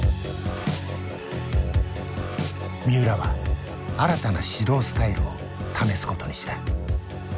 三浦は新たな指導スタイルを試すことにした。